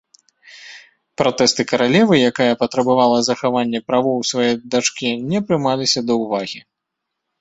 Пратэсты каралевы, якая патрабавала захаванне правоў сваёй дачкі, не прымаліся да ўвагі.